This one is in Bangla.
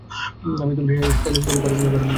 আমি হেয়ার স্টাইলিস্ট খুজছি ভাড়া করার জন্য।